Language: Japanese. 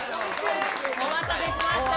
お待たせしました。